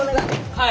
はい。